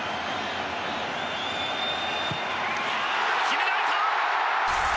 決められた！